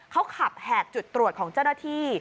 เขาขับแหกจุดตรวจของเจ้าหน้าที่